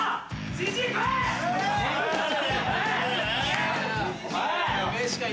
じじいおい！